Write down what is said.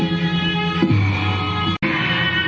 สุดท้ายสุดท้ายสุดท้าย